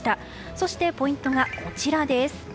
そしてポイントが、こちらです。